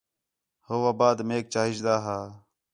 ہو وا بعد میک چاہیجدا ہا